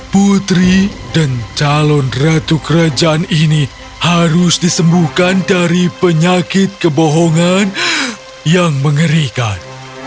putri dan calon ratu kerajaan ini harus disembuhkan dari penyakit kebohongan yang mengerikan